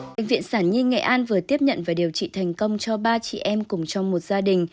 bệnh viện sản nhi nghệ an vừa tiếp nhận và điều trị thành công cho ba chị em cùng trong một gia đình